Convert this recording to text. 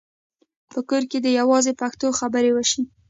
په کور کې دې یوازې پښتو خبرې وشي.